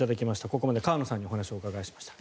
ここまで河野さんにお話をお伺いしました。